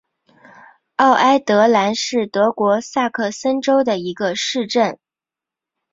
奥埃德兰是德国萨克森州的一个市镇。